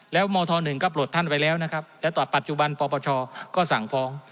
แล้วมธ๑ก็ปลดท่านไปแล้วนะครับแล้วตอนปัจจุบันปปชก็สั่งฟ้อง